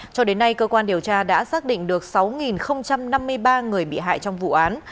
cho đến nay cơ quan điều tra đã xác định được sáu năm mươi ba người bị hại trong vụ án